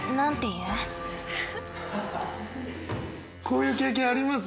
こういう経験あります？